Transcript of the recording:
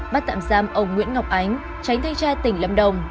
bắt tạm giam ông nguyễn ngọc ánh tránh thanh tra tỉnh lâm đồng